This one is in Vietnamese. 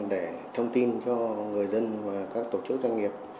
để thông tin cho người dân và các tổ chức doanh nghiệp